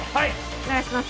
お願いします